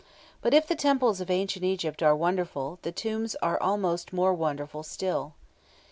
But if the temples of ancient Egypt are wonderful, the tombs are almost more wonderful still.